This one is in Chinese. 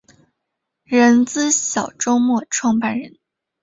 人资小周末创办人